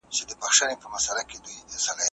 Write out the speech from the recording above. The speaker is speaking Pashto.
ټولنه د همکارۍ غوښتنه کوي.